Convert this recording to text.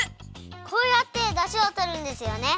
こうやってだしをとるんですよね。